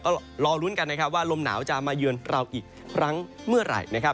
ก็รอรุ้นกันว่าลมหนาวจะมาเยือนเราอีกครั้งเมื่อไหร่